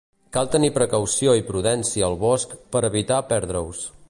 Cal tenir precaució i prudència al bosc per evitar perdre-us.